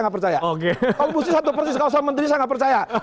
kalau ibu sri satu persis sama menterinya saya nggak percaya